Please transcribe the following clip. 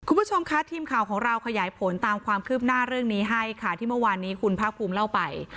คุณผู้ชมคะทีมข่าวของเราขยายผลตามความคืบหน้าเรื่องนี้ให้ค่ะที่เมื่อวานนี้คุณภาคภูมิเล่าไป